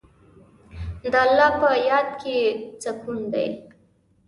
د الله په یاد کې سکون دی.